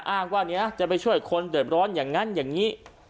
อ้างว่าเนี่ยจะไปช่วยคนเดิบร้อนอย่างนั้นอย่างนี้